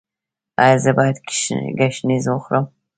ایا زه باید ګشنیز وخورم؟